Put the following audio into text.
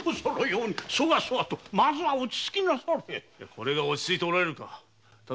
これが落ち着いておられるか。